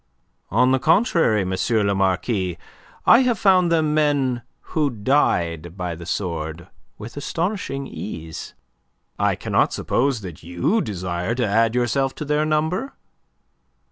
"On the contrary, M. le Marquis, I have found them men who died by the sword with astonishing ease. I cannot suppose that you desire to add yourself to their number."